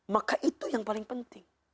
maka itu yang paling penting